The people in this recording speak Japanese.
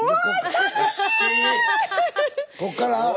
こっから？